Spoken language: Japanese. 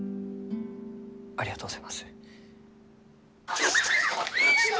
ありがとうございます。